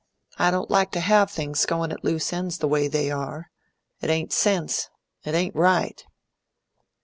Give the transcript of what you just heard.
I don't like to have things going at loose ends the way they are. It ain't sense. It ain't right."